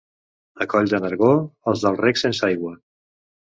A Coll de Nargó, els del rec sense aigua.